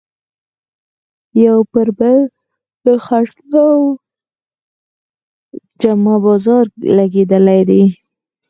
یو پر بل د خرڅلاو جمعه بازار لګېدلی دی.